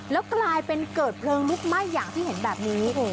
แล้วกลายเป็นเกิดเพลิงลุกไหม้อย่างที่เห็นแบบนี้